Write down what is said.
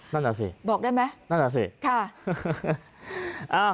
นั่นแหละสิบอกได้ไหมนั่นแหละสิค่ะ